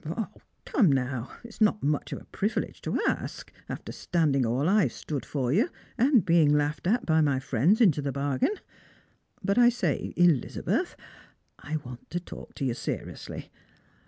" O, come now. It's not much of a privilege to ask, after standing all I've stood for you, and being laughed at by my friends into the bargain. But I say, Elizabeth, I want to talk to you seriously.